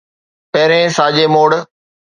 پهرين ساڄي موڙ